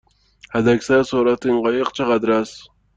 حداکثر سرعت این قایق چقدر است؟